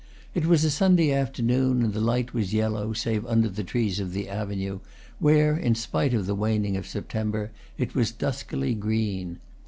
It was a Sunday afternoon, and the light was yellow, save under the trees of the avenue, where, in spite of the waning of September, it was duskily green.